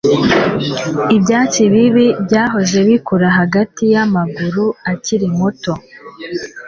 ibyatsi bibi byahoze bikura hagati yamaguru akiri muto